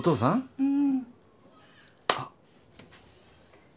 うん。